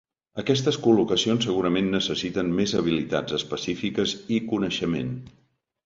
Aquestes col·locacions segurament necessiten més habilitats específiques i coneixement.